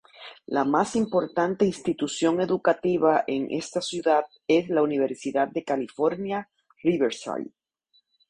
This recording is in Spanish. La más importante institución educativa en esta ciudad es la Universidad de California, Riverside.